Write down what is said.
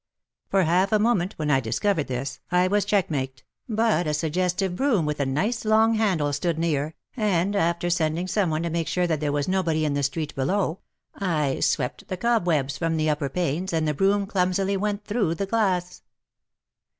For half a moment, when I discovered this, I was check mated, but a suggestive broom with a nice long handle, stood near, and, after sending someone to make sure that there was nobody 126 WAR AND WOMEN in the street below, I swept the cobwebs " from the upper panes, and the broom clumsily went through the glass